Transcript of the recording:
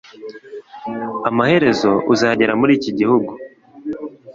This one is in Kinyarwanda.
amaherezo uzagera muri iki gihugu